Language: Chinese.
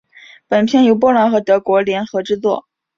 本片由波兰和德国联合制作。